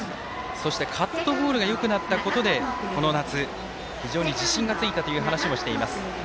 そして、カットボールがよくなったことでこの夏、自信がついたという話をしています。